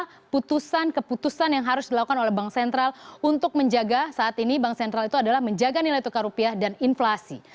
dan keputusan keputusan yang harus dilakukan oleh bank sentral untuk menjaga saat ini bank sentral itu adalah menjaga nilai tukar rupiah dan inflasi